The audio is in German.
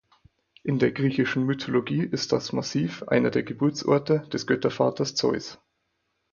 In der griechischen Mythologie ist das Massiv einer der Geburtsorte des Göttervaters Zeus.